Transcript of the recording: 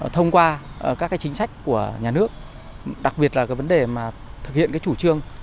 thông qua các chính sách của nhà nước đặc biệt là vấn đề thực hiện chủ trương